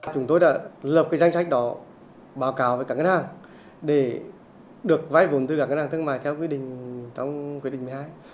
chúng tôi đã lập cái danh sách đó báo cáo với các ngân hàng để được vai vốn từ các ngân hàng thương mại theo quyết định một mươi hai